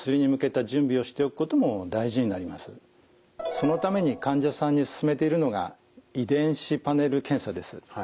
そのために患者さんに勧めているのが遺伝子パネル検査です。